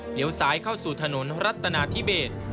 เหลียวสายเข้าสู่ถนนรัตนาทิเบส